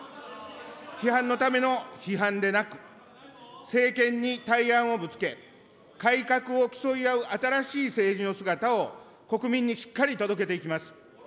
批判のための批判でなく、政権に対案をぶつけ、改革を競い合う新しい政治の姿を国民にしっかり届けていきます。